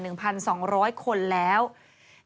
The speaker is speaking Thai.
ผู้เสียชีวิตมีจำนวนมากกว่า๑๒๐๐คน